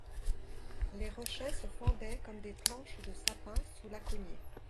Les rochers se fendaient comme des planches de sapin sous la cognée.